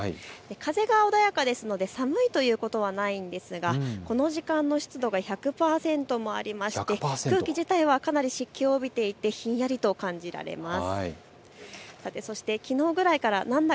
風が穏やかですので寒いということはないんですがこの時間の湿度が１００％もありまして空気自体はかなり湿気を帯びていてひんやりと感じられます。